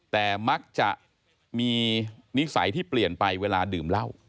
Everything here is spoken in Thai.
แต่มักจะมีนิสัยที่เปลี่ยนไปเวลาดื่มเหล้า